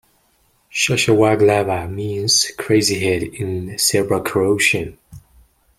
"Shashavaglava" means "crazyhead" in Serbo-Croatian.